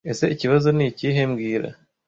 ese Ikibazo nikihe mbwira